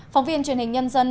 phóng viên truyền hình nhân dân